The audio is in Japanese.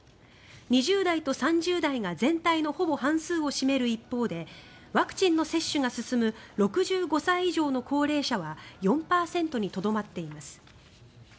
２０代と３０代が全体のほぼ半数を占める一方でワクチンの接種が進む６５歳以上の高齢者は４％にとどまっています。